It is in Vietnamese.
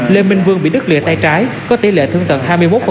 lê minh vương bị đứt lìa tay trái có tỷ lệ thương tật hai mươi một